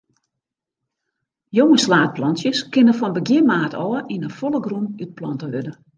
Jonge slaadplantsjes kinne fan begjin maart ôf yn 'e folle grûn útplante wurde.